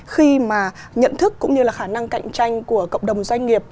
khi mà nhận thức cũng như là khả năng cạnh tranh của cộng đồng doanh nghiệp